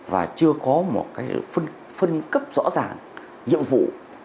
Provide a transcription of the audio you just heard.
và chưa có một cái phân cấp rõ ràng nhiệm vụ